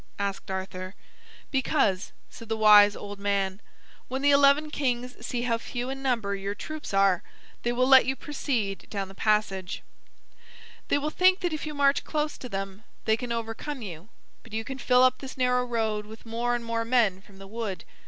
asked Arthur. "Because," said the wise old man, "when the eleven kings see how few in number your troops are, they will let you proceed down the passage. They will think that if you march close to them they can overcome you. But you can fill up this narrow road with more and more men from the wood.